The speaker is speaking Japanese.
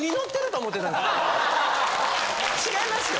違いますよ。